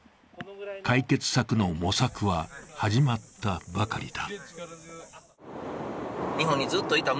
解決策の模索は始まったばかりだ。